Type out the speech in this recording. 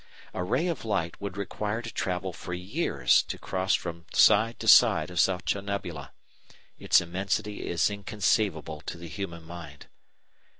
A ray of light would require to travel for years to cross from side to side of such a nebula. Its immensity is inconceivable to the human mind.